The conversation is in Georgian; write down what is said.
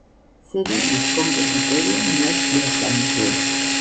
სერიალის კომპოზიტორია ნიაზ დიასამიძე.